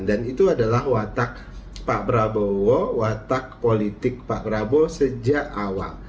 dan itu adalah watak pak prabowo watak politik pak prabowo sejak awal